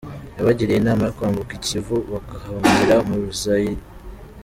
Yabagiriye inama yo kwambuka i kivu bagahungira muri Zaire.